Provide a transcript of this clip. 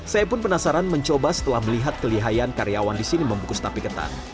saya pun penasaran mencoba setelah melihat kelihayan karyawan di sini membungkus tape ketan